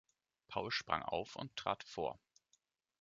Paul sprang auf und trat vor.